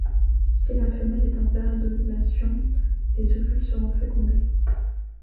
Si la femelle est en période d'ovulation, les ovules seront fécondés.